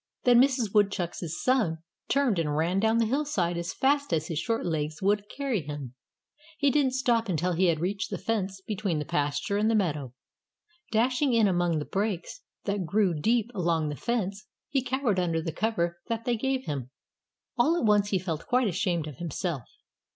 Then Mrs Woodchuck's son turned and ran down the hillside as fast as his short legs would carry him. He didn't stop until he had reached the fence between the pasture and the meadow. Dashing in among the brakes that grew deep along the fence he cowered under the cover that they gave him. All at once he felt quite ashamed of himself.